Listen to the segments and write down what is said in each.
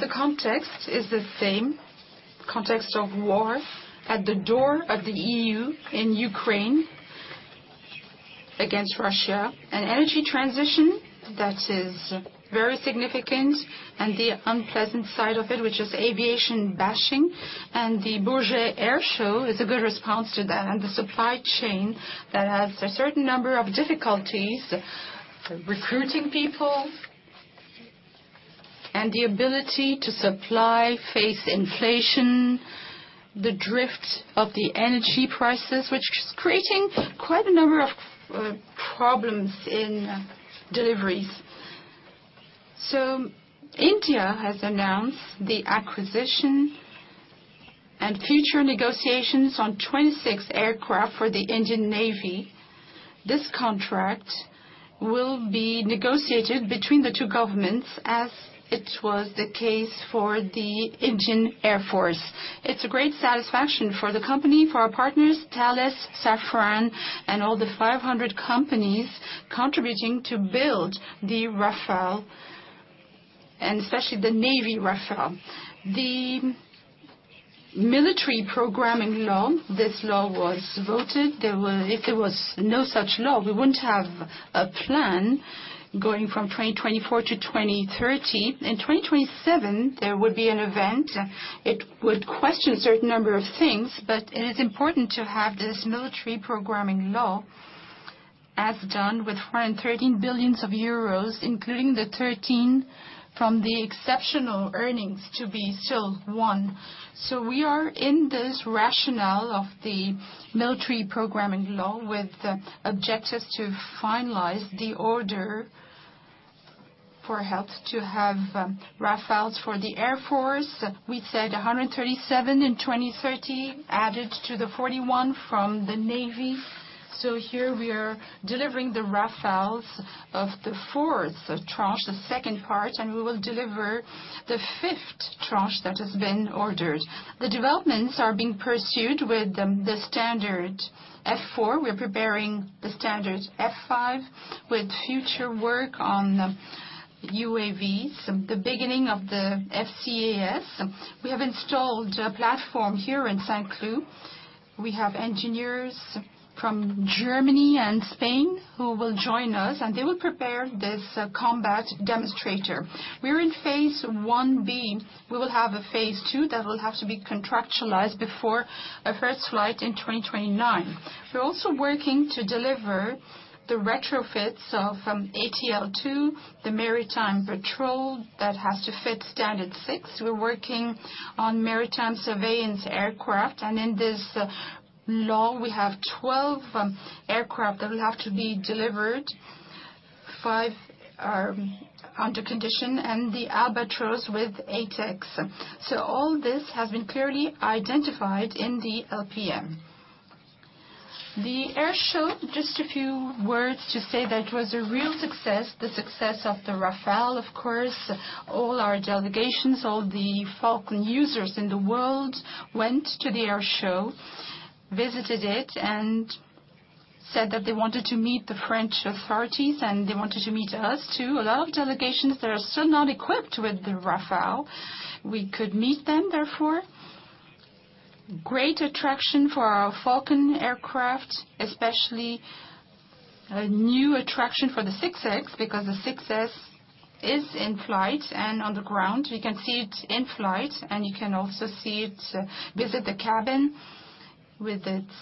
The context is the same, context of war at the door of the EU in Ukraine against Russia. An energy transition that is very significant, and the unpleasant side of it, which is aviation bashing, and the Paris Air Show is a good response to that. The supply chain that has a certain number of difficulties recruiting people, and the ability to supply face inflation, the drift of the energy prices, which is creating quite a number of problems in deliveries. India has announced the acquisition and future negotiations on 26 aircraft for the Indian Navy. This contract will be negotiated between the two governments, as it was the case for the Indian Air Force. It's a great satisfaction for the company, for our partners, Thales, Safran, and all the 500 companies contributing to build the Rafale, and especially the Navy Rafale. The Military Programming Law, this law was voted. If there was no such law, we wouldn't have a plan going from 2024 to 2030. In 2027, there would be an event. It would question a certain number of things, it is important to have this Military Programming Law, as done with foreign 13 billion euros, including the 13 from the exceptional earnings to be still won. We are in this rationale of the Military Programming Law, with objectives to finalize the order for help to have Rafales for the Air Force. We said 137 in 2030, added to the 41 from the Navy. Here we are delivering the Rafales of the fourth tranche, the second part, and we will deliver the fifth tranche that has been ordered. The developments are being pursued with the standard F4. We're preparing the standard F5 with future work on UAVs, the beginning of the FCAS. We have installed a platform here in Saint-Cloud. We have engineers from Germany and Spain who will join us, and they will prepare this combat demonstrator. We're in Phase 1B. We will have a Phase 2 that will have to be contractualized before a first flight in 2029. We're also working to deliver the retrofits of ATL2, the maritime patrol that has to fit Standard 6. We're working on maritime surveillance aircraft, and in this law, we have 12 aircraft that will have to be delivered. Five are under condition and the Albatros with ATEX. All this has been clearly identified in the LPM. The Air Show, just a few words to say that it was a real success, the success of the Rafale, of course. All our delegations, all the Falcon users in the world, went to the Air Show, visited it, and said that they wanted to meet the French authorities, and they wanted to meet us, too. A lot of delegations, they are still not equipped with the Rafale. We could meet them, therefore. Great attraction for our Falcon aircraft, especially a new attraction for the Falcon 6X, because the Falcon 6X is in flight and on the ground. You can see it in flight, and you can also see it, visit the cabin with its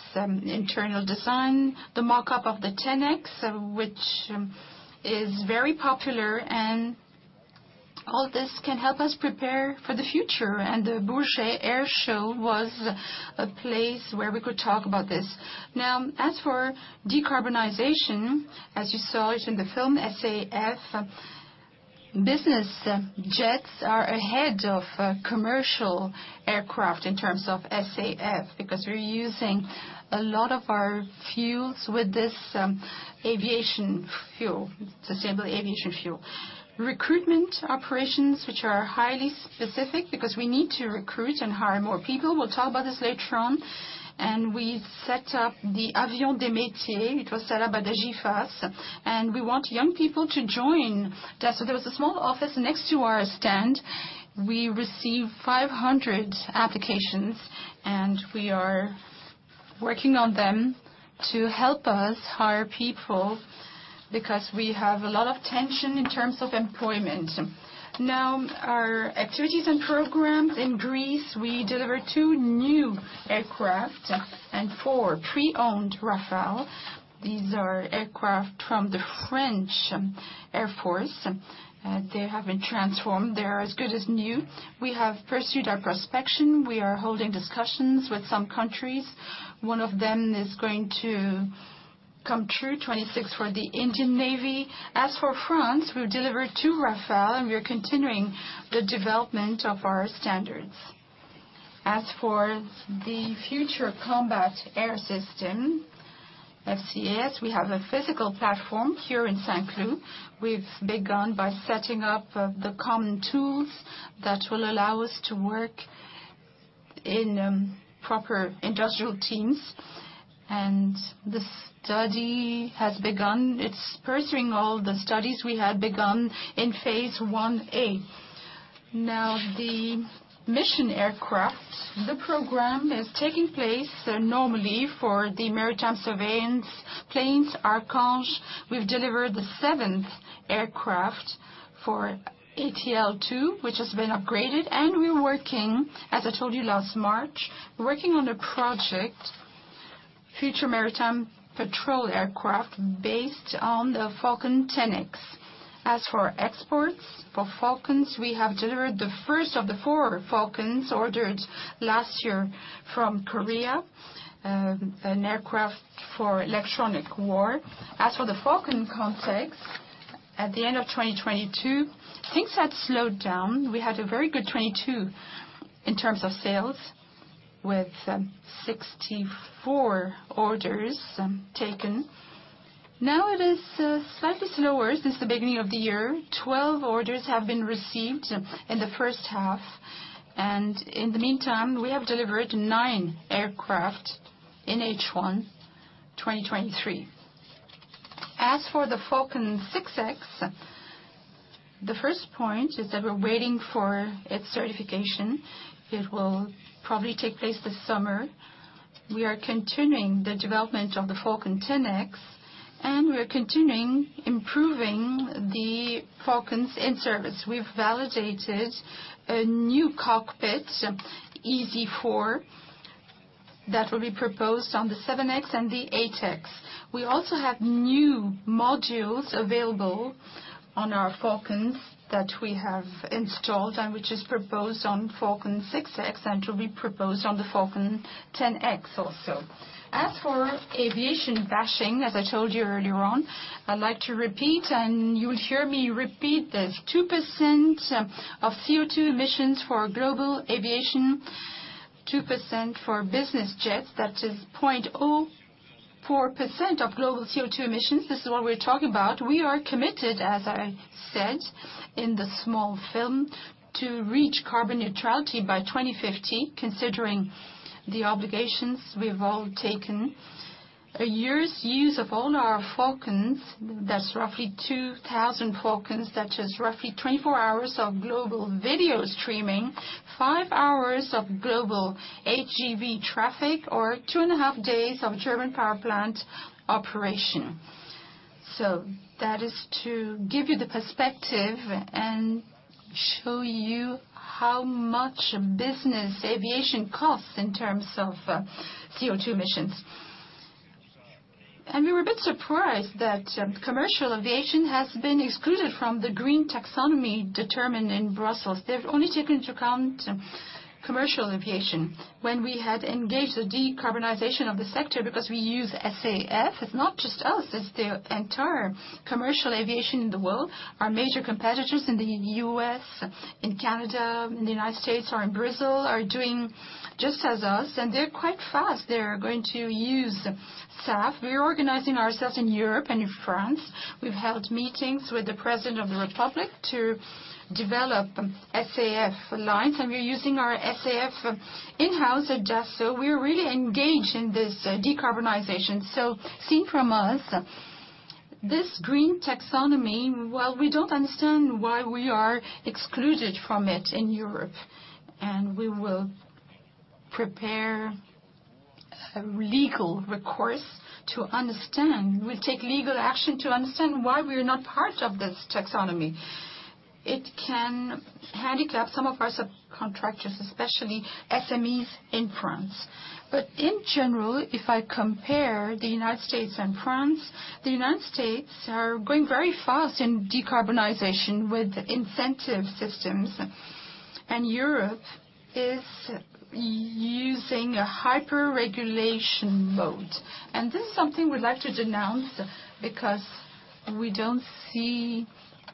internal design, the mock-up of the Falcon 10X, which is very popular and all this can help us prepare for the future, and the Le Bourget Air Show was a place where we could talk about this. As for decarbonization, as you saw it in the film, SAF, business jets are ahead of commercial aircraft in terms of SAF, because we're using a lot of our fuels with this aviation fuel, Sustainable Aviation Fuel. Recruitment operations, which are highly specific because we need to recruit and hire more people. We'll talk about this later on. We set up the Avion des Métiers. It was set up by the GIFAS. We want young people to join that. There was a small office next to our stand. We received 500 applications, and we are working on them to help us hire people because we have a lot of tension in terms of employment. Our activities and programs in Greece, we delivered 2 new aircraft and 4 pre-owned Rafale. These are aircraft from the French Air Force. They have been transformed. They are as good as new. We have pursued our prospection. We are holding discussions with some countries. One of them is going to come true, 26 for the Indian Navy. As for France, we've delivered 2 Rafale, we are continuing the development of our standards. As for the Future Combat Air System, FCAS, we have a physical platform here in Saint-Cloud. We've begun by setting up the common tools that will allow us to work in proper industrial teams, the study has begun. It's pursuing all the studies we had begun in Phase 1A. The mission aircraft, the program is taking place normally for the maritime surveillance planes, Archange. We've delivered the seventh aircraft for ATL2, which has been upgraded. We're working, as I told you last March, working on a project, future maritime patrol aircraft based on the Falcon 10X. As for exports, for Falcons, we have delivered the first of the four Falcons ordered last year from Korea, an aircraft for electronic war. As for the Falcon context, at the end of 2022, things had slowed down. We had a very good 2022 in terms of sales with 64 orders taken. Now it is slightly slower since the beginning of the year. 12 orders have been received in the H1. In the meantime, we have delivered nine aircraft in H1 2023. As for the Falcon 6X, the first point is that we're waiting for its certification. It will probably take place this summer. We are continuing the development of the Falcon 10X. We are continuing improving the Falcons in service. We've validated a new cockpit, EASy IV, that will be proposed on the 7X and the 8X. We also have new modules available on our Falcons that we have installed which is proposed on Falcon 6X, to be proposed on the Falcon 10X also. As for aviation bashing, as I told you earlier on, I'd like to repeat, you will hear me repeat this, 2% of CO2 emissions for global aviation, 2% for business jets, that is 0.04% of global CO2 emissions. This is what we're talking about. We are committed, as I said in the small film, to reach carbon neutrality by 2050, considering the obligations we've all taken. A year's use of all our Falcons, that's roughly 2,000 Falcons, that is roughly 24 hours of global video streaming, 5 hours of global HGV traffic, or two and a half days of German power plant operation. That is to give you the perspective and show you how much business aviation costs in terms of CO2 emissions. We were a bit surprised that commercial aviation has been excluded from the green taxonomy determined in Brussels. They've only taken into account commercial aviation when we had engaged the decarbonization of the sector because we use SAF. It's not just us, it's the entire commercial aviation in the world. Our major competitors in the U.S., in Canada, in the United States, or in Brazil, are doing just as us, and they're quite fast. They're going to use SAF. We're organizing ourselves in Europe and in France. We've held meetings with the President of the Republic to develop SAF lines, we're using our SAF in-house at Dassault. We're really engaged in this decarbonization. Seen from us, this green taxonomy, while we don't understand why we are excluded from it in Europe, we will prepare a legal recourse to understand. We'll take legal action to understand why we are not part of this taxonomy. It can handicap some of our subcontractors, especially SMEs in France. In general, if I compare the United States and France, the United States are going very fast in decarbonization with incentive systems, Europe is using a hyper-regulation mode. This is something we'd like to denounce because we don't see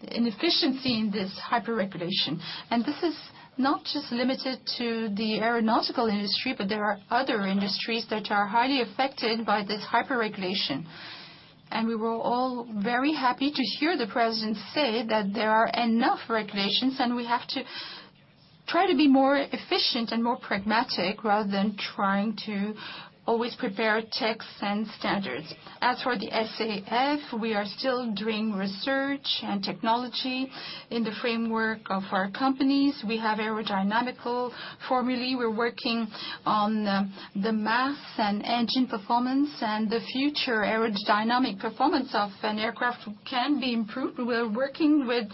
an efficiency in this hyper-regulation. This is not just limited to the aeronautical industry, there are other industries that are highly affected by this hyper-regulation. We were all very happy to hear the President say that there are enough regulations, and we have to try to be more efficient and more pragmatic, rather than trying to always prepare checks and standards. As for the SAF, we are still doing research and technology in the framework of our companies. We have aerodynamical formulae. We're working on the mass and engine performance, and the future aerodynamic performance of an aircraft can be improved. We're working with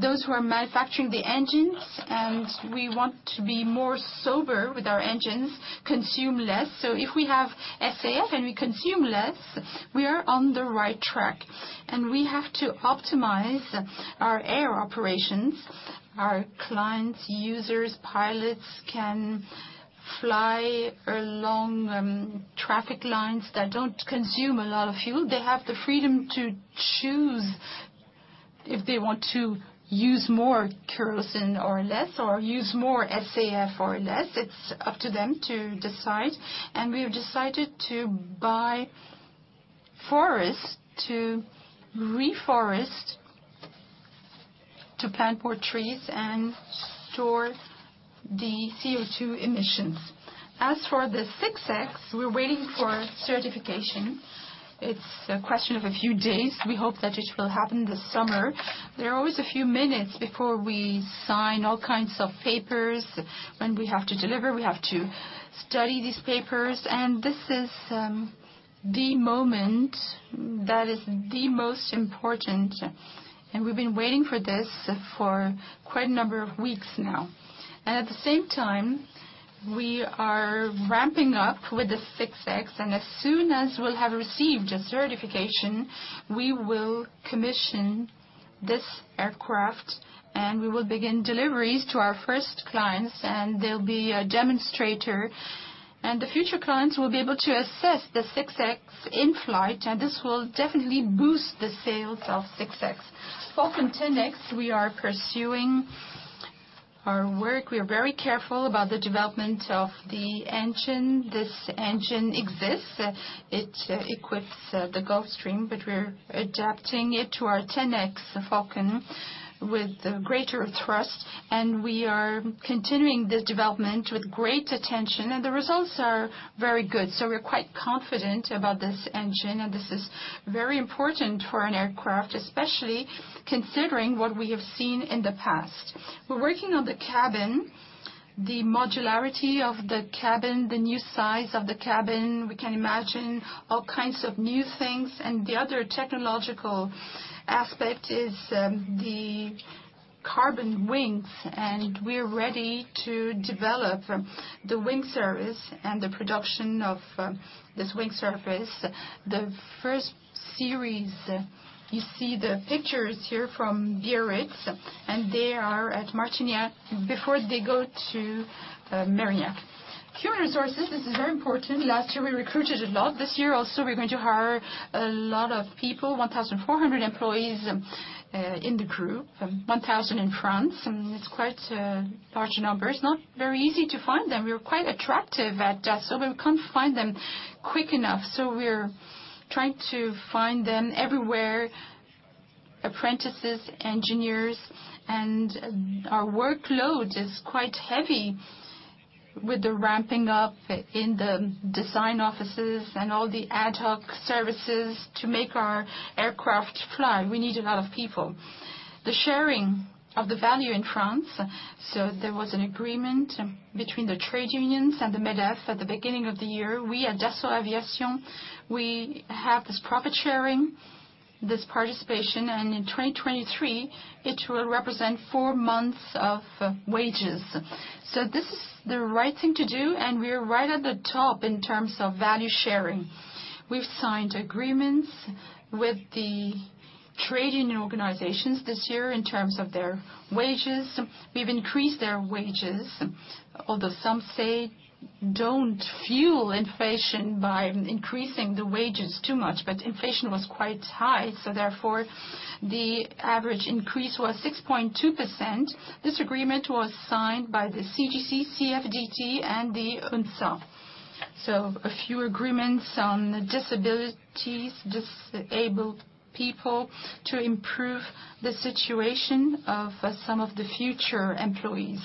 those who are manufacturing the engines, and we want to be more sober with our engines, consume less. If we have SAF and we consume less, we are on the right track, and we have to optimize our air operations. Our clients, users, pilots, can fly along traffic lines that don't consume a lot of fuel. They have the freedom to choose if they want to use more kerosene or less, or use more SAF or less. It's up to them to decide. We have decided to buy forests, to plant more trees and store the CO2 emissions. As for the 6X, we're waiting for certification. It's a question of a few days. We hope that it will happen this summer. There are always a few minutes before we sign all kinds of papers. When we have to deliver, we have to study these papers, and this is the moment that is the most important. We've been waiting for this for quite a number of weeks now. At the same time, we are ramping up with the 6X. As soon as we'll have received a certification, we will commission this aircraft, and we will begin deliveries to our first clients. They'll be a demonstrator. The future clients will be able to assess the 6X in-flight, and this will definitely boost the sales of 6X. Falcon 10X, we are pursuing our work. We are very careful about the development of the engine. This engine exists, it equips the Gulfstream, but we're adapting it to our 10X Falcon with greater thrust. We are continuing the development with great attention. The results are very good. We're quite confident about this engine. This is very important for an aircraft, especially considering what we have seen in the past. We're working on the cabin, the modularity of the cabin, the new size of the cabin. We can imagine all kinds of new things. The other technological aspect is the carbon wings. We're ready to develop the wing surface and the production of this wing surface. The first series, you see the pictures here from Biarritz. They are at Martignas before they go to .Mérignac Human resources, this is very important. Last year, we recruited a lot. This year also, we're going to hire a lot of people, 1,400 employees, in the crew, 1,000 in France. It's quite a large number. It's not very easy to find them. We are quite attractive at Dassault, we can't find them quick enough, we're trying to find them everywhere, apprentices, engineers, and our workload is quite heavy with the ramping up in the design offices and all the ad hoc services to make our aircraft fly. We need a lot of people. The sharing of the value in France, there was an agreement between the trade unions and the Medef at the beginning of the year. We at Dassault Aviation, we have this profit sharing, this participation, and in 2023, it will represent 4 months of wages. This is the right thing to do, and we are right at the top in terms of value sharing. We've signed agreements with the trading organizations this year in terms of their wages. We've increased their wages, although some say, "Don't fuel inflation by increasing the wages too much." Inflation was quite high, therefore, the average increase was 6.2%. This agreement was signed by the CGC, CFDT, and the UNSA. A few agreements on disabilities, disabled people, to improve the situation of some of the future employees.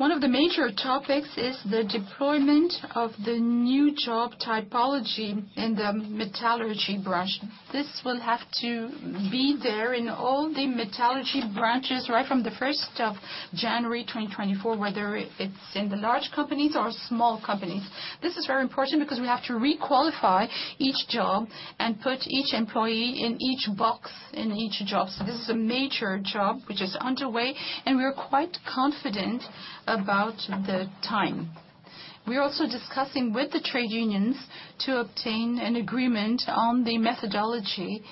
One of the major topics is the deployment of the new job typology in the metallurgy branch. This will have to be there in all the metallurgy branches right from the 1st of January 2024, whether it's in the large companies or small companies. This is very important because we have to re-qualify each job and put each employee in each box in each job. This is a major job which is underway, and we are quite confident about the time. We are also discussing with the trade unions to obtain an agreement on the methodology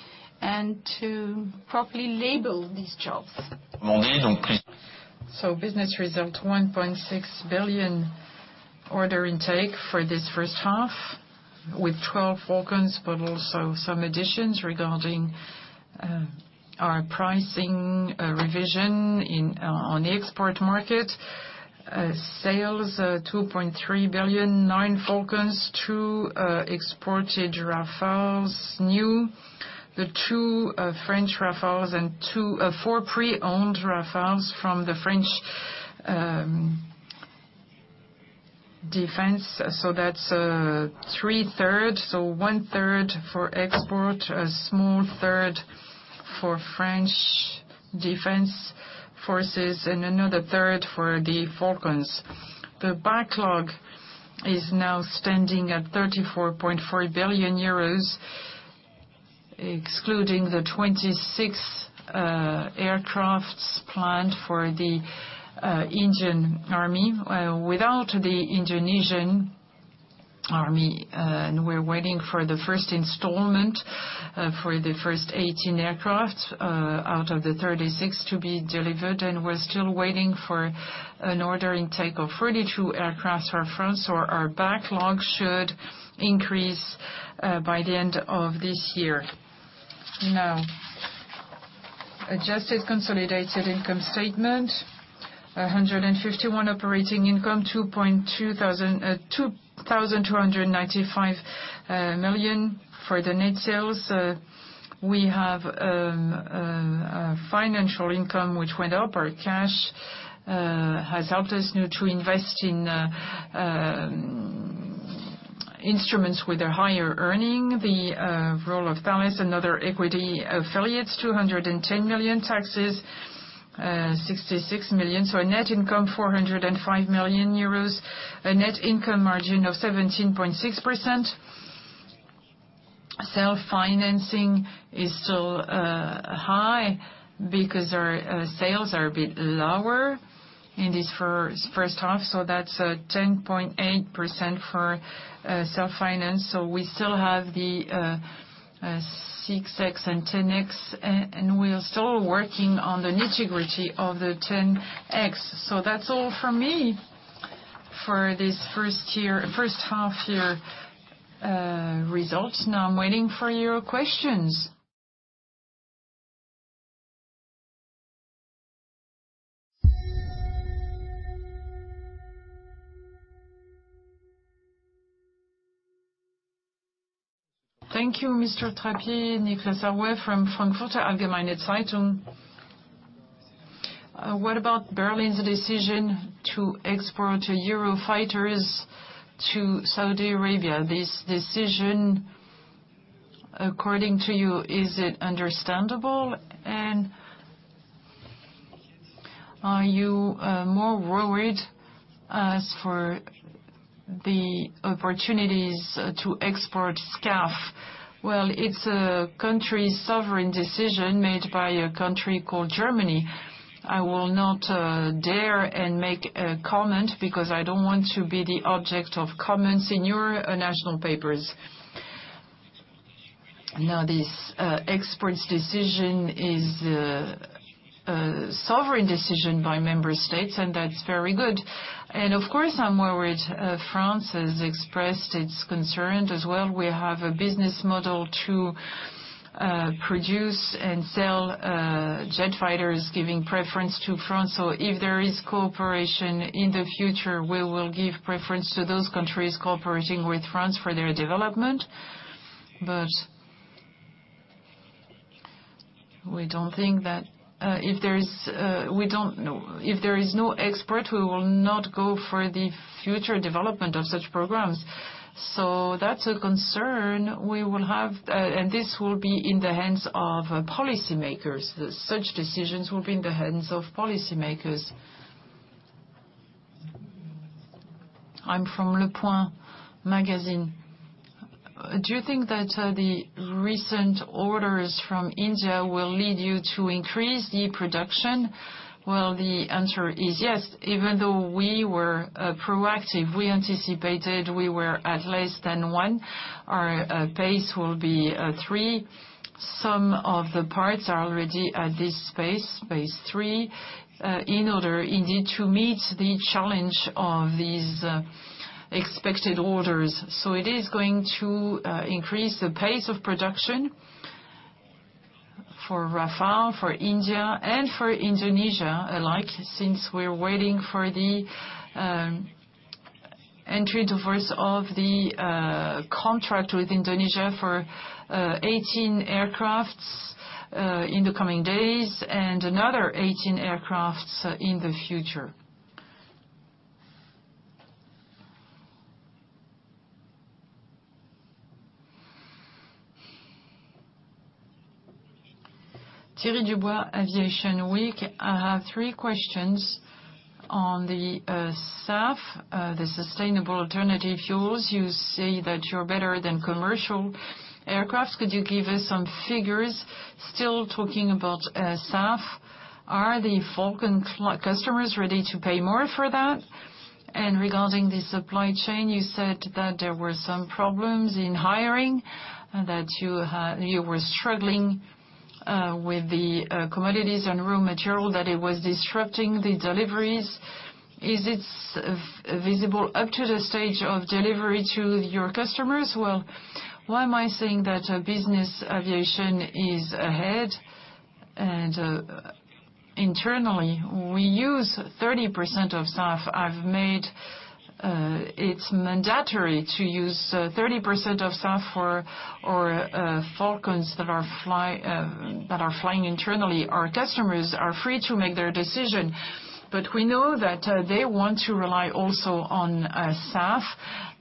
and to properly label these jobs. Business result, 1.6 billion order intake for this H1, with 12 Falcons, also some additions regarding our pricing revision in on the export market. Sales, 2.3 billion, 9 Falcons, 2 exported Rafales, new, the 2 French Rafales and 4 pre-owned Rafales from the French defense. That's 3 thirds, one third for export, a small third for French defense forces, and another third for the Falcons. The backlog is now standing at 34.4 billion euros, excluding the 26 aircrafts planned for the Indian Army, without the Indonesian Army. We're waiting for the first installment, for the first 18 aircraft, out of the 36 to be delivered. We're still waiting for an order intake of 42 aircraft for France. Our backlog should increase by the end of this year. Adjusted consolidated income statement. 151 operating income, 2,295 million for the net sales. We have financial income, which went up. Our cash has helped us now to invest in instruments with a higher earning. The role of Thales, another equity affiliates, 210 million. Taxes, 66 million. A net income, 405 million euros. A net income margin of 17.6%. Self-financing is still high because our sales are a bit lower in this H1, that's 10.8% for self-finance. We still have the 6X and 10X, and we are still working on the nitty-gritty of the 10X. That's all from me for this first year, H1 year results. I'm waiting for your questions. Thank you, Mr. Trappier. Nicolas Barotte from Frankfurter Allgemeine Zeitung. What about Berlin's decision to export Eurofighters to Saudi Arabia? This decision, according to you, is it understandable? Are you more worried as for the opportunities to export SCAF? Well, it's a country's sovereign decision made by a country called Germany. I will not dare and make a comment because I don't want to be the object of comments in your national papers. Now, this exports decision is a sovereign decision by member states, and that's very good. Of course, I'm worried. France has expressed its concern as well. We have a business model to produce and sell jet fighters, giving preference to France. If there is cooperation in the future, we will give preference to those countries cooperating with France for their development. We don't think that We don't know. If there is no export, we will not go for the future development of such programs. That's a concern we will have, and this will be in the hands of policymakers. Such decisions will be in the hands of policymakers. I'm from Le Point. Do you think that the recent orders from India will lead you to increase the production? Well, the answer is yes. Even though we were proactive, we anticipated we were at less than 1. Our pace will be 3. Some of the parts are already at this pace, base 3, in order indeed to meet the challenge of these expected orders. It is going to increase the pace of production for Rafale, for India, and for Indonesia alike, since we're waiting for the entry to force of the contract with Indonesia for 18 aircrafts in the coming days and another 18 aircrafts in the future. Thierry Dubois, Aviation Week. I have 3 questions. On the SAF, the sustainable alternative fuels, you say that you're better than commercial aircraft. Could you give us some figures? Still talking about SAF, are the Falcon customers ready to pay more for that? Regarding the supply chain, you said that there were some problems in hiring, that you were struggling with the commodities and raw material, that it was disrupting the deliveries. Is it visible up to the stage of delivery to your customers? Why am I saying that business aviation is ahead? Internally, we use 30% of SAF. I've made it's mandatory to use 30% of SAF for our Falcons that are flying internally. Our customers are free to make their decision. We know that they want to rely also on SAF,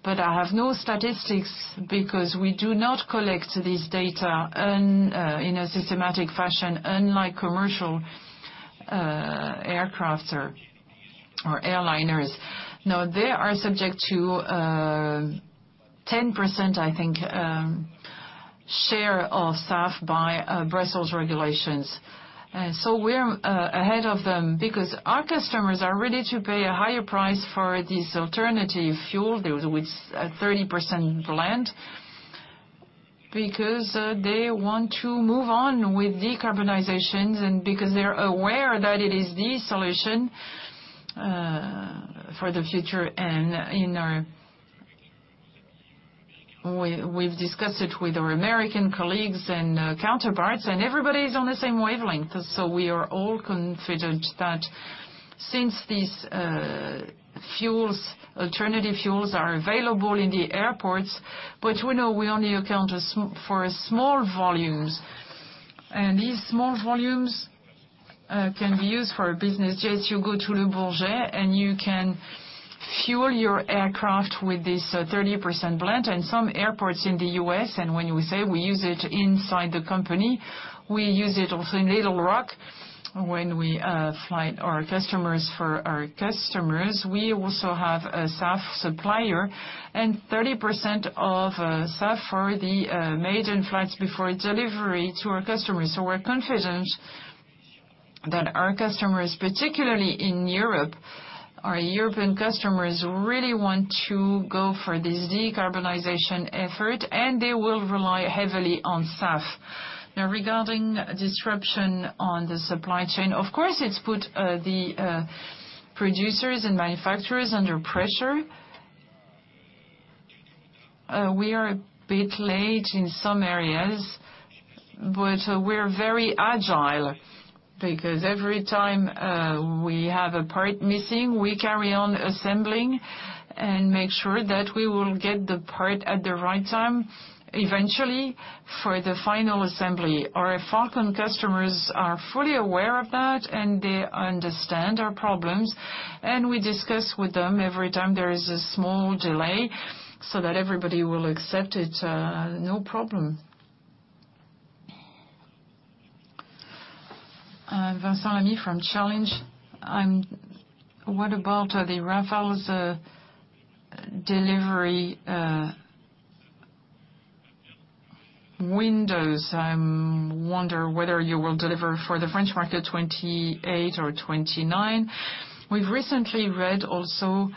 but I have no statistics because we do not collect this data in a systematic fashion, unlike commercial aircraft or airliners. They are subject to 10%, I think, share of SAF by Brussels regulations. We're ahead of them because our customers are ready to pay a higher price for this alternative fuel, the, with 30% blend, because they want to move on with decarbonizations and because they're aware that it is the solution for the future. We've discussed it with our American colleagues and counterparts, and everybody's on the same wavelength. We are all confident that since these fuels, alternative fuels are available in the airports, but we know we only account for small volumes, and these small volumes can be used for business. Yes, you go to Le Bourget, and you can fuel your aircraft with this 30% blend. Some airports in the U.S., and when we say we use it inside the company, we use it also in Little Rock when we fly our customers for our customers. We also have a SAF supplier, and 30% of SAF for the maiden flights before delivery to our customers. We're confident that our customers, particularly in Europe, our European customers really want to go for this decarbonization effort, and they will rely heavily on SAF. Regarding disruption on the supply chain, of course, it's put the producers and manufacturers under pressure. We are a bit late in some areas, but we're very agile, because every time we have a part missing, we carry on assembling and make sure that we will get the part at the right time, eventually, for the final assembly. Our Falcon customers are fully aware of that, and they understand our problems, and we discuss with them every time there is a small delay so that everybody will accept it, no problem. Vincent Lamigeon from Challenges. What about the Rafale's delivery windows? I'm wonder whether you will deliver for the French market 2028 or 2029. We've recently read also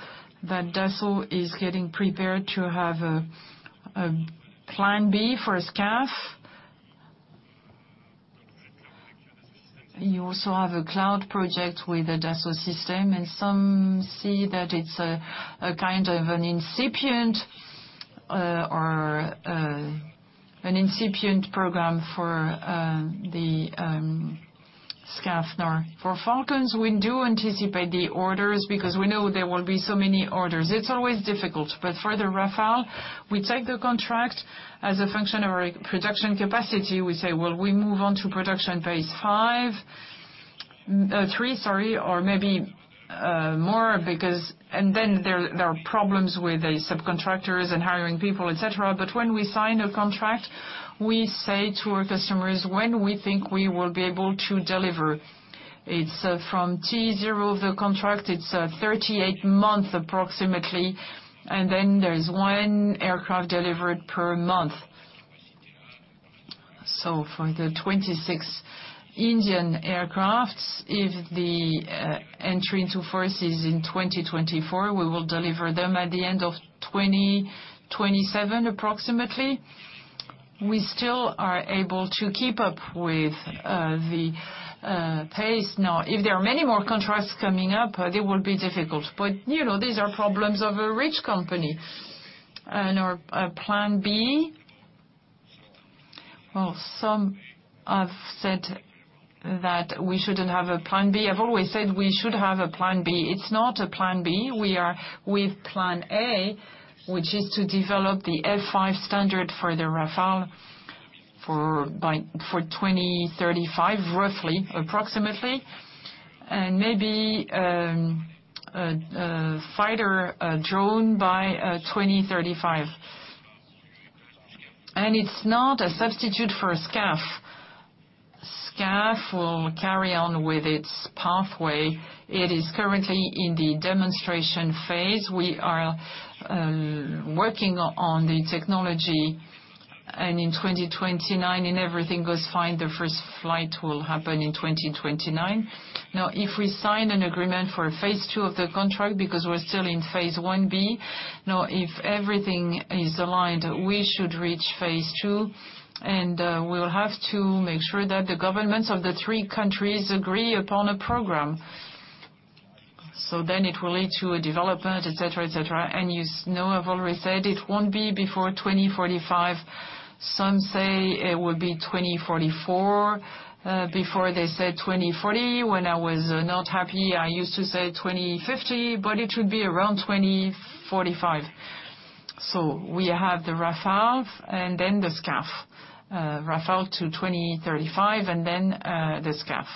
that Dassault is getting prepared to have a plan B for a SCAF. You also have a cloud project with Dassault Systèmes, some see that it's a kind of an incipient or an incipient program for the SCAF. For Falcons, we do anticipate the orders, because we know there will be so many orders. It's always difficult, for the Rafale, we take the contract as a function of our production capacity. We say, "Well, we move on to production phase 5, 3, sorry, or maybe more," because there are problems with the subcontractors and hiring people, et cetera. When we sign a contract, we say to our customers when we think we will be able to deliver. It's from T0 of the contract, it's 38 months approximately, there's 1 aircraft delivered per month. For the 26 Indian aircraft, if the entry into force is in 2024, we will deliver them at the end of 2027, approximately. We still are able to keep up with the pace. Now, if there are many more contracts coming up, it will be difficult, but, you know, these are problems of a rich company. Our, our plan B, well, some have said that we shouldn't have a plan B. I've always said we should have a plan B. It's not a plan B. We are with plan A, which is to develop the F5 standard for the Rafale for 2035, roughly, approximately, and maybe a fighter drone by 2035. It's not a substitute for a SCAF. SCAF will carry on with its pathway. It is currently in the demonstration phase. We are working on the technology. In 2029, if everything goes fine, the first flight will happen in 2029. If we sign an agreement for phase 2 of the contract, because we're still in phase 1B. If everything is aligned, we should reach phase 2, and we'll have to make sure that the governments of the three countries agree upon a program. It will lead to a development, et cetera, et cetera. You know, I've already said it won't be before 2045. Some say it will be 2044. Before they said 2040. When I was not happy, I used to say 2050, but it should be around 2045. We have the Rafale and then the SCAF. Rafale to 2035, and then the SCAF.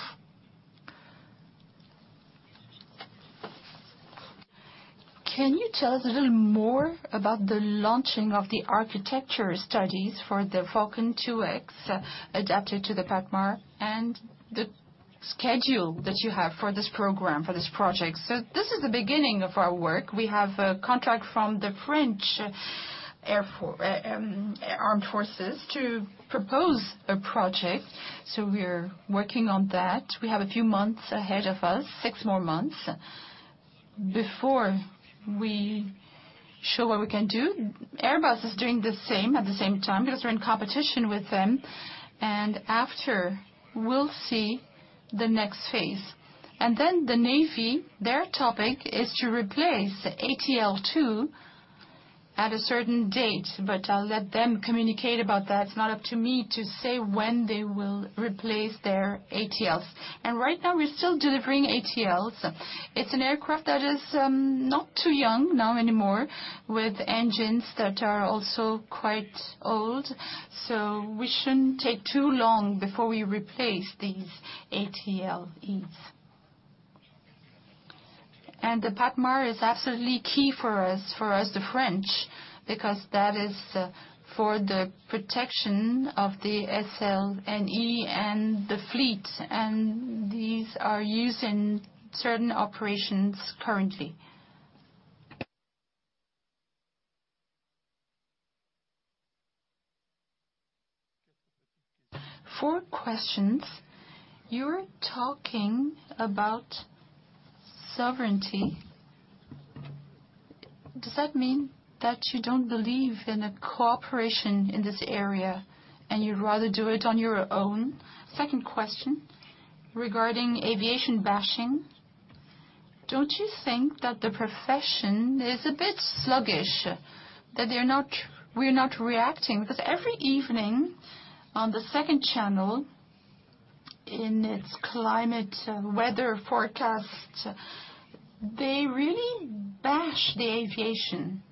Can you tell us a little more about the launching of the architecture studies for the Falcon 2X adapted to the PATMAR and the schedule that you have for this program, for this project? This is the beginning of our work. We have a contract from the French Armed Forces to propose a project, we're working on that. We have a few months ahead of us, six more months, before we show what we can do. Airbus is doing the same at the same time, because we're in competition with them. After, we'll see the next phase. The Navy, their topic is to replace the ATL2 at a certain date, but I'll let them communicate about that. It's not up to me to say when they will replace their ATL2s. Right now, we're still delivering ATL2s. It's an aircraft that is not too young now anymore, with engines that are also quite old, so we shouldn't take too long before we replace these ATL2s. The PATMAR is absolutely key for us, the French, because that is for the protection of the SNLE and the fleet, and these are used in certain operations currently. Four questions. You're talking about sovereignty. Does that mean that you don't believe in a cooperation in this area, and you'd rather do it on your own? Second question, regarding aviation bashing, don't you think that the profession is a bit sluggish, that we're not reacting? Every evening, on the second channel, in its climate, weather forecast, they really bash the aviation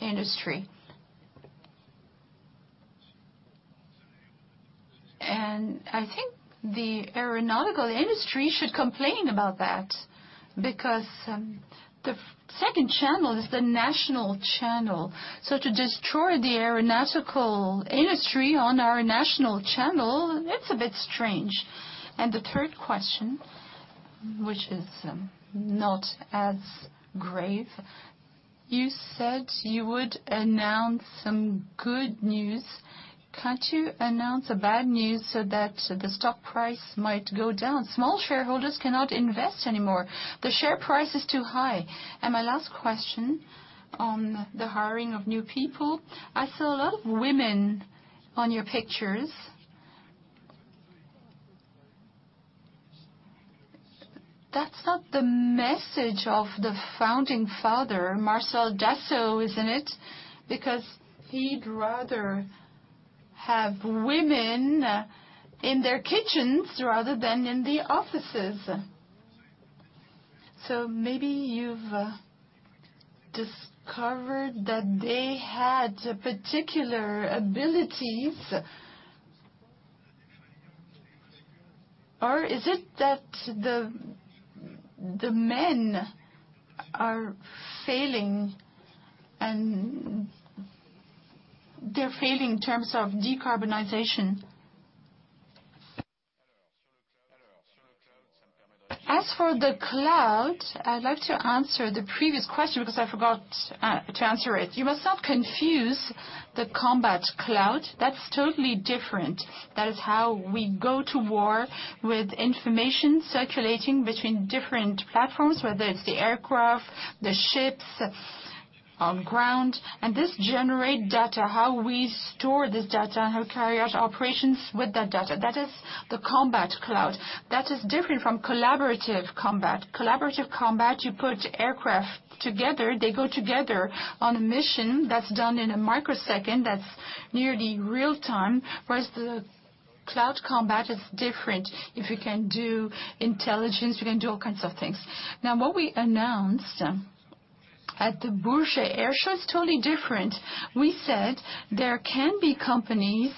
industry. I think the aeronautical industry should complain about that, because, the second channel is the national channel, so to destroy the aeronautical industry on our national channel, it's a bit strange. The third question, which is, not as grave: You said you would announce some good news. Can't you announce a bad news so that the stock price might go down? Small shareholders cannot invest anymore. The share price is too high. My last question on the hiring of new people, I saw a lot of women on your pictures. That's not the message of the founding father, Marcel Dassault, isn't it? He'd rather have women in their kitchens rather than in the offices. Maybe you've discovered that they had particular abilities? Is it that the men are failing, and they're failing in terms of decarbonization? As for the cloud, I'd like to answer the previous question because I forgot to answer it. You must not confuse the combat cloud. That's totally different. That is how we go to war with information circulating between different platforms, whether it's the aircraft, the ships on ground, and this generate data, how we store this data, and how carry out operations with that data. That is the combat cloud. That is different from collaborative combat. Collaborative combat, you put aircraft together, they go together on a mission that's done in a microsecond, that's nearly real time, whereas the combat cloud is different. If you can do intelligence, you can do all kinds of things. What we announced at the Paris Air Show is totally different. We said there can be companies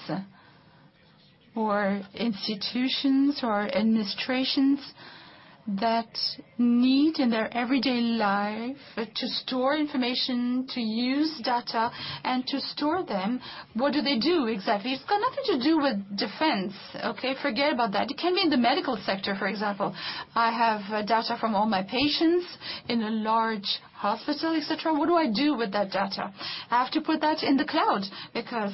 or institutions or administrations that need, in their everyday life, to store information, to use data, and to store them. What do they do exactly? It's got nothing to do with defense, okay? Forget about that. It can be in the medical sector, for example. I have data from all my patients in a large hospital, et cetera. What do I do with that data? I have to put that in the cloud because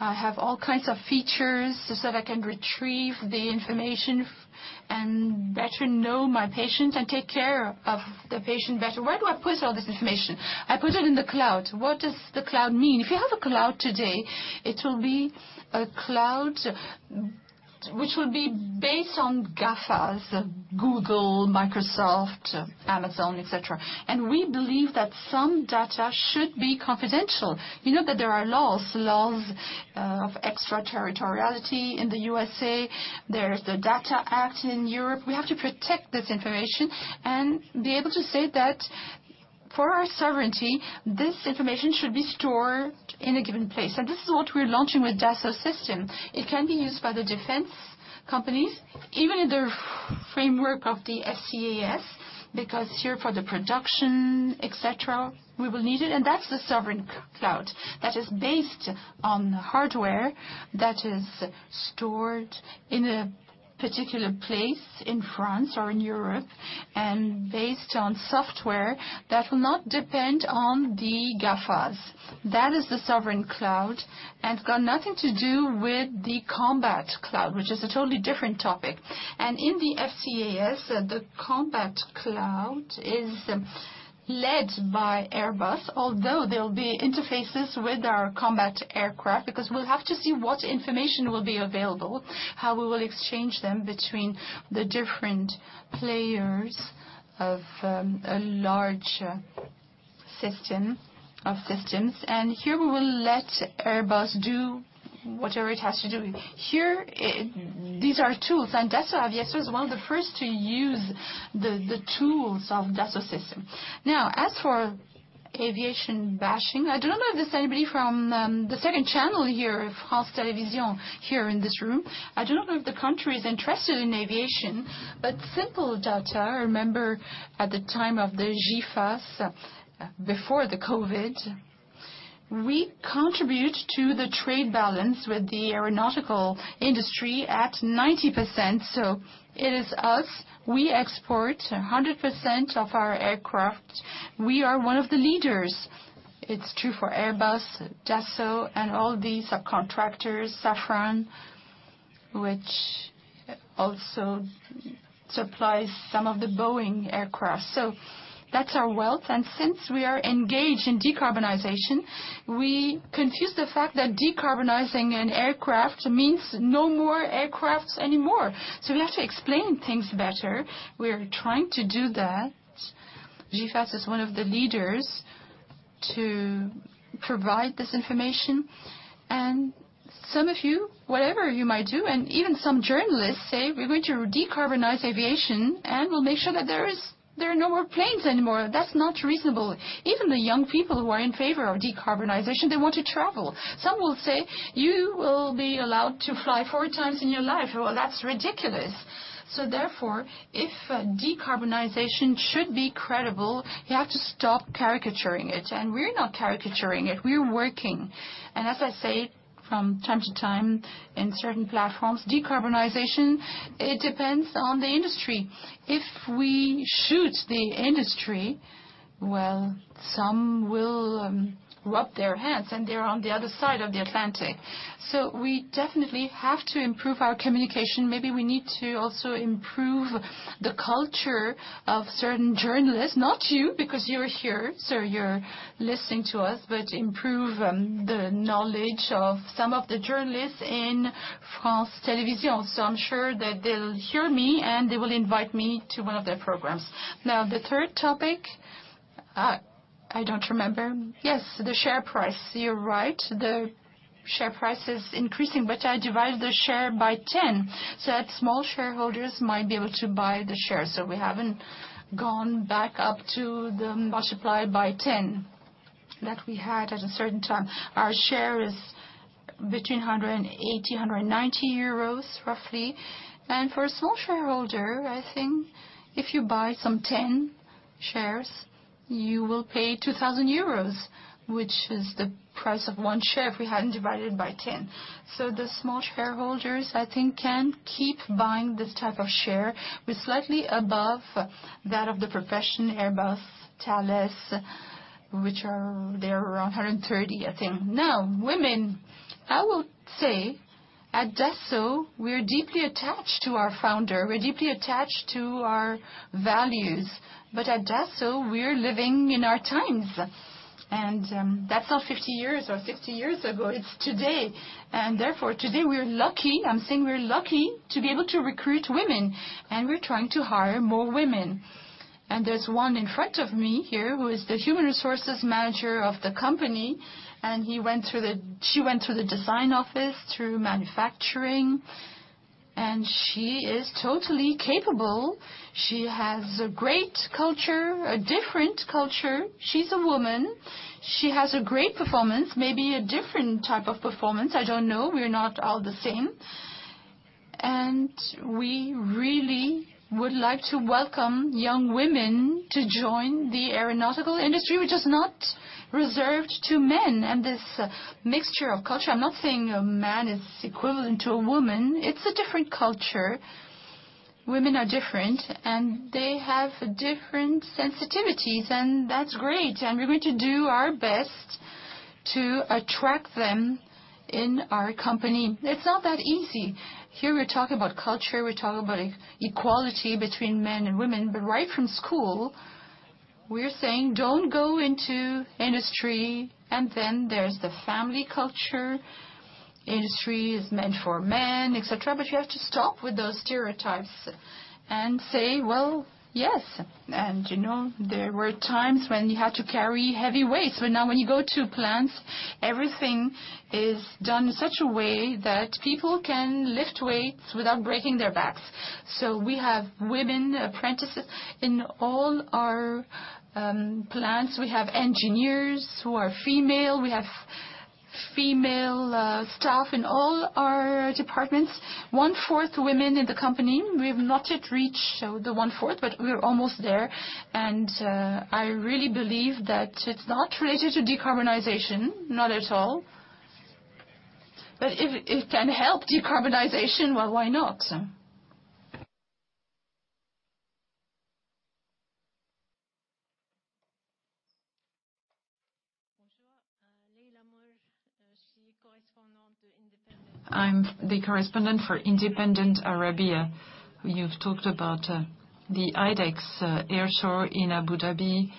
I have all kinds of features so that I can retrieve the information and better know my patient and take care of the patient better. Where do I put all this information? I put it in the cloud. What does the cloud mean? If you have a cloud today, it will be a cloud which will be based on GAFA, Google, Microsoft, Amazon, et cetera. We believe that some data should be confidential. You know that there are laws of extra territoriality in the USA. There's the Data Act in Europe. We have to protect this information and be able to say that for our sovereignty, this information should be stored in a given place. This is what we're launching with Dassault Systèmes. It can be used by the defense companies, even in the framework of the FCAS, because here, for the production, et cetera, we will need it. That's the sovereign cloud that is based on hardware that is stored in a particular place in France or in Europe, and based on software that will not depend on the GAFA. That is the sovereign cloud. It's got nothing to do with the combat cloud, which is a totally different topic. In the FCAS, the combat cloud is led by Airbus, although there will be interfaces with our combat aircraft, because we'll have to see what information will be available, how we will exchange them between the different players of a system of systems. Here, we will let Airbus do whatever it has to do. Here, these are tools. Dassault Aviation is one of the first to use the tools of Dassault Systèmes. As for aviation bashing, I do not know if there's anybody from the second channel here, France Télévisions, here in this room. I do not know if the country is interested in aviation, but simple data, remember, at the time of the GIFAS, before the COVID, we contribute to the trade balance with the aeronautical industry at 90%. It is us, we export 100% of our aircraft. We are one of the leaders. It's true for Airbus, Dassault, and all these subcontractors, Safran, which also supplies some of the Boeing aircraft. That's our wealth, and since we are engaged in decarbonization, we confuse the fact that decarbonizing an aircraft means no more aircraft anymore. We have to explain things better. We are trying to do that. GIFAS is one of the leaders to provide this information. Some of you, whatever you might do, even some journalists say: We're going to decarbonize aviation, and we'll make sure that there are no more planes anymore. That's not reasonable. Even the young people who are in favor of decarbonization, they want to travel. Some will say, "You will be allowed to fly 4 times in your life." Well, that's ridiculous. Therefore, if decarbonization should be credible, you have to stop caricaturing it. We're not caricaturing it. We're working. As I say, from time to time, in certain platforms, decarbonization, it depends on the industry. If we shoot the industry, well, some will rub their hands. They're on the other side of the Atlantic. We definitely have to improve our communication. Maybe we need to also improve the culture of certain journalists, not you, because you're here, so you're listening to us, but improve the knowledge of some of the journalists in France Télévisions. I'm sure that they'll hear me, and they will invite me to one of their programs. The third topic, I don't remember. Yes, the share price. You're right, the share price is increasing, I divided the share by 10, that small shareholders might be able to buy the shares. We haven't gone back up to the multiply by 10 that we had at a certain time. Our share is between 180, 190 euros, roughly. For a small shareholder, I think if you buy some 10 shares, you will pay 2,000 euros, which is the price of one share if we hadn't divided it by 10. The small shareholders, I think, can keep buying this type of share. We're slightly above that of the professional Airbus, Thales, they're around 130, I think. Now, women, I would say, at Dassault, we're deeply attached to our founder, we're deeply attached to our values, but at Dassault, we're living in our times, and that's not 50 years or 60 years ago, it's today. Therefore, today, we're lucky, I'm saying we're lucky to be able to recruit women, and we're trying to hire more women. There's one in front of me here, who is the human resources manager of the company, and she went through the design office, through manufacturing, and she is totally capable. She has a great culture, a different culture. She's a woman. She has a great performance, maybe a different type of performance, I don't know. We're not all the same. We really would like to welcome young women to join the aeronautical industry, which is not reserved to men and this mixture of culture. I'm not saying a man is equivalent to a woman. It's a different culture. Women are different, and they have different sensitivities, and that's great, and we're going to do our best to attract them in our company. It's not that easy. Here, we're talking about culture, we're talking about equality between men and women. Right from school, we're saying, "Don't go into industry," and then there's the family culture. Industry is meant for men, et cetera. You have to stop with those stereotypes and say, "Well, yes." You know, there were times when you had to carry heavy weights, but now when you go to plants, everything is done in such a way that people can lift weights without breaking their backs. We have women apprentices in all our plants. We have engineers who are female, we have female staff in all our departments. One-fourth women in the company. We have not yet reached the one-fourth, but we are almost there. I really believe that it's not related to decarbonization, not at all. If it can help decarbonization, well, why not? I'm the correspondent for Independent Arabia. You've talked about the IDEX Air Show in Abu Dhabi.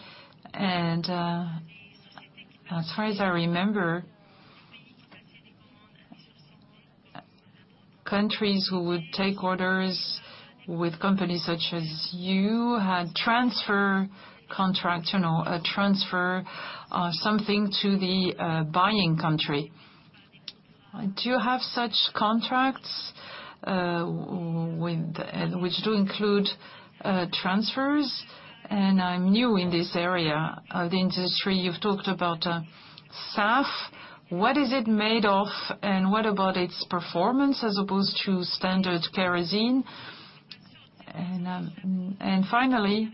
Countries who would take orders with companies such as you, had transfer contract, you know, a transfer something to the buying country. Do you have such contracts which do include transfers? I'm new in this area of the industry. You've talked about SAF. What is it made of, and what about its performance as opposed to standard kerosene? Finally,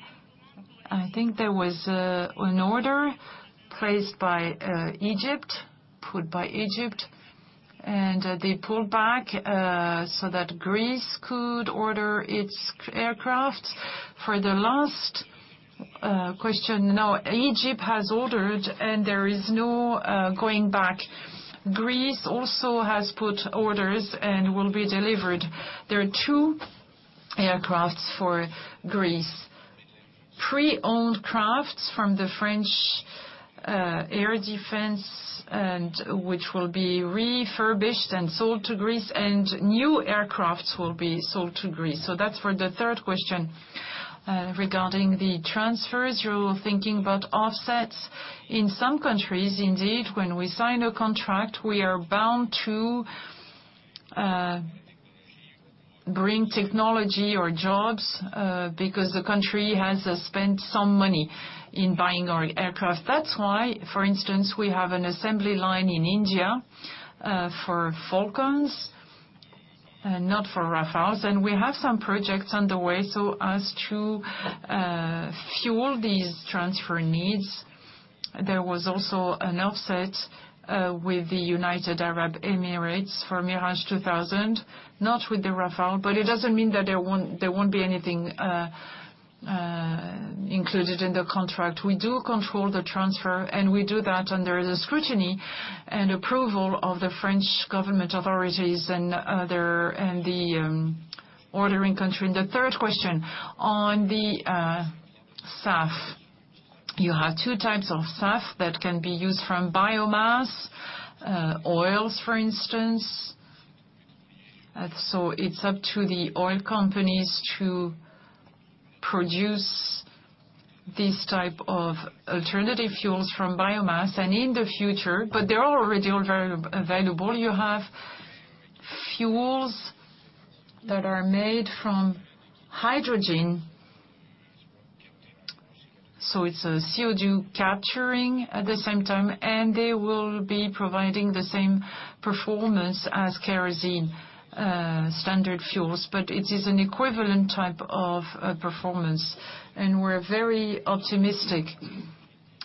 I think there was an order placed by Egypt, put by Egypt, and they pulled back so that Greece could order its aircraft. For the last question, now, Egypt has ordered, and there is no going back. Greece also has put orders and will be delivered. There are two aircrafts for Greece. Pre-owned crafts from the French Air Defense, and which will be refurbished and sold to Greece, and new aircrafts will be sold to Greece. That's for the third question. Regarding the transfers, you're thinking about offsets. In some countries, indeed, when we sign a contract, we are bound to bring technology or jobs, because the country has spent some money in buying our aircraft. That's why, for instance, we have an assembly line in India, for Falcons and not for Rafales, and we have some projects underway so as to fuel these transfer needs. There was also an offset with the United Arab Emirates for Mirage 2000, not with the Rafale, but it doesn't mean that there won't be anything included in the contract. We do control the transfer, and we do that under the scrutiny and approval of the French government authorities and other and the ordering country. The third question, on the SAF, you have two types of SAF that can be used from biomass oils, for instance. It's up to the oil companies to produce this type of alternative fuels from biomass and in the future. They're already all very available. You have fuels that are made from hydrogen, so it's a CO2 capturing at the same time. They will be providing the same performance as kerosene standard fuels. It is an equivalent type of performance. We're very optimistic.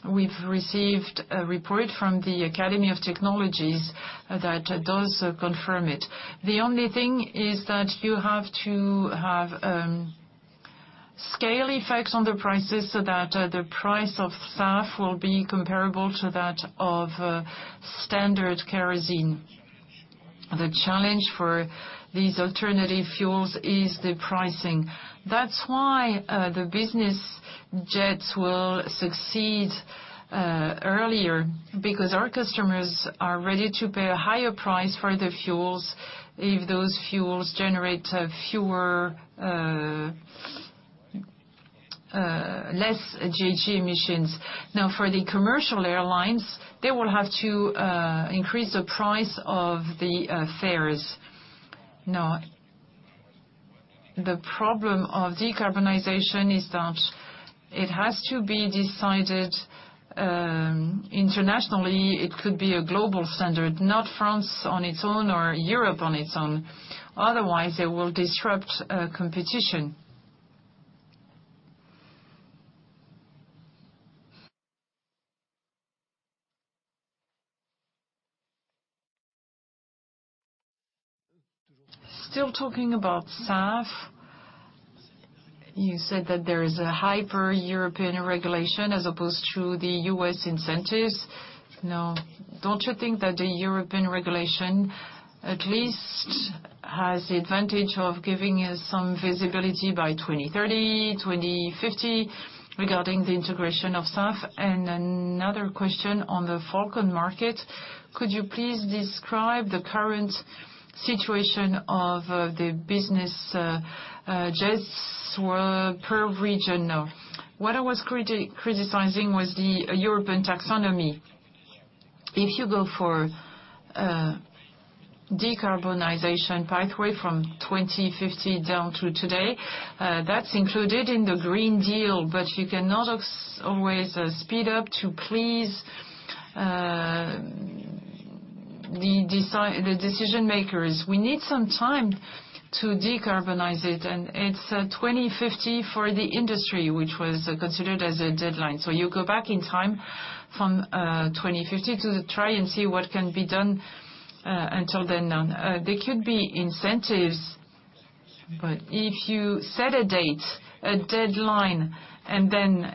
We've received a report from the Academy of Technologies that does confirm it. The only thing is that you have to have scale effects on the prices so that the price of SAF will be comparable to that of standard kerosene. The challenge for these alternative fuels is the pricing. That's why the business jets will succeed earlier, because our customers are ready to pay a higher price for the fuels if those fuels generate fewer less GHG emissions. Now, for the commercial airlines, they will have to increase the price of the fares. Now, the problem of decarbonization is that it has to be decided internationally. It could be a global standard, not France on its own or Europe on its own. Otherwise, it will disrupt competition. Still talking about SAF, you said that there is a hyper-European regulation as opposed to the U.S. incentives. Don't you think that the European regulation at least has the advantage of giving us some visibility by 2030, 2050, regarding the integration of SAF? Another question on the Falcon market: Could you please describe the current situation of the business jets per region? What I was criticizing was the European Taxonomy. If you go for a decarbonization pathway from 2050 down to today, that's included in the Green Deal, but you cannot always speed up to please the decision makers. We need some time to decarbonize it, and it's 2050 for the industry, which was considered as a deadline. You go back in time from 2050 to try and see what can be done until then. There could be incentives, if you set a date, a deadline, and then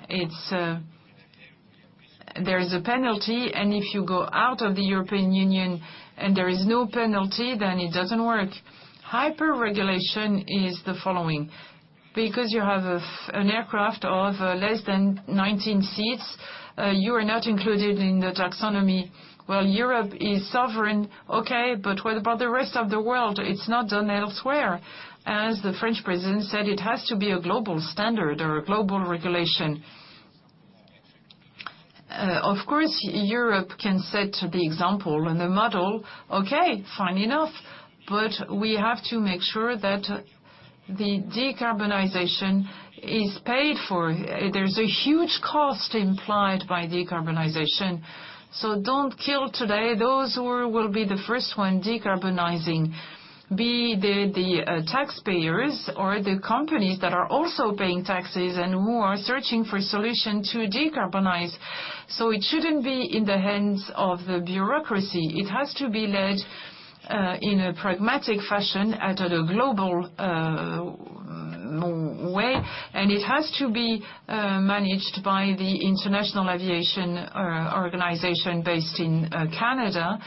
there is a penalty, and if you go out of the European Union and there is no penalty, then it doesn't work. Hyper regulation is the following. You have an aircraft of less than 19 seats, you are not included in the taxonomy. Europe is sovereign, okay, but what about the rest of the world? It's not done elsewhere. As the French president said, "It has to be a global standard or a global regulation." Of course, Europe can set the example and the model. Fine enough. We have to make sure that the decarbonization is paid for. There's a huge cost implied by decarbonization. Don't kill today those who will be the first one decarbonizing, be they the taxpayers or the companies that are also paying taxes and who are searching for solution to decarbonize. It shouldn't be in the hands of the bureaucracy. It has to be led in a pragmatic fashion at a global way, and it has to be managed by the International Aviation Organization based in Canada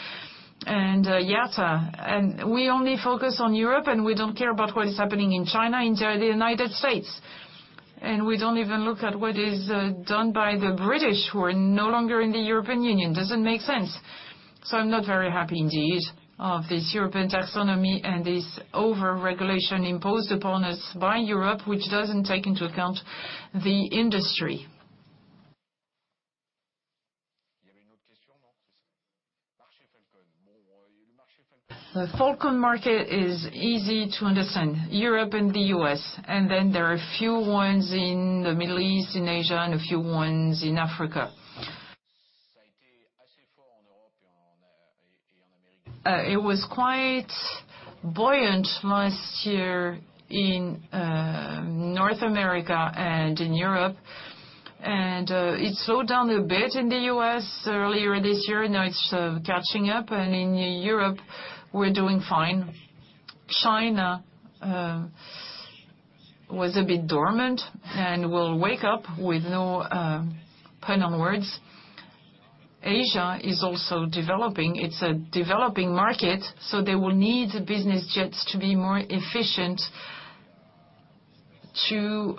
and IATA. We only focus on Europe, and we don't care about what is happening in China, India, the United States, and we don't even look at what is done by the British, who are no longer in the European Union. Doesn't make sense. I'm not very happy indeed of this European taxonomy and this over-regulation imposed upon us by Europe, which doesn't take into account the industry. The Falcon market is easy to understand, Europe and the U.S. Then there are a few ones in the Middle East, in Asia, and a few ones in Africa. It was quite buoyant last year in North America and in Europe. It slowed down a bit in the U.S. earlier this year. Now it's catching up, and in Europe, we're doing fine. China was a bit dormant and will wake up with no pun on words. Asia is also developing. It's a developing market, they will need business jets to be more efficient, to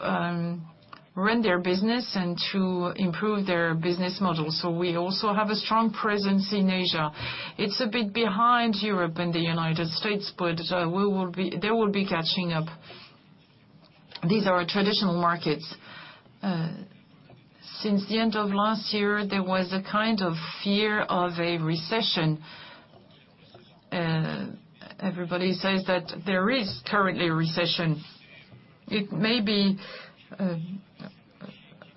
run their business and to improve their business model. We also have a strong presence in Asia. It's a bit behind Europe and the United States, but they will be catching up. These are our traditional markets. Since the end of last year, there was a kind of fear of a recession, and everybody says that there is currently a recession. It may be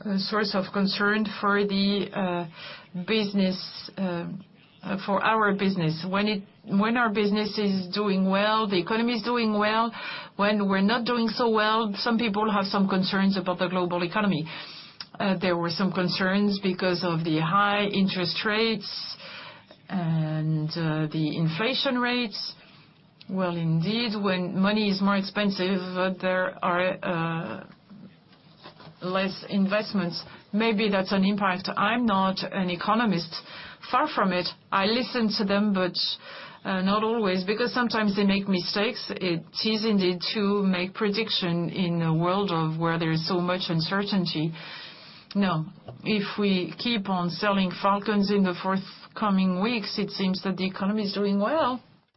a source of concern for the business, for our business. When our business is doing well, the economy is doing well. When we're not doing so well, some people have some concerns about the global economy. There were some concerns because of the high interest rates and the inflation rates. Well, indeed, when money is more expensive, there are less investments. Maybe that's an impact. I'm not an economist, far from it. I listen to them, but not always, because sometimes they make mistakes. It is indeed to make prediction in a world of where there is so much uncertainty. If we keep on selling Falcons in the forthcoming weeks, it seems that the economy is doing well.